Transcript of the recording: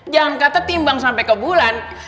jangan kata timbang sampai ke bulan